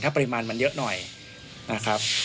ปริมาณมันเยอะหน่อยนะครับ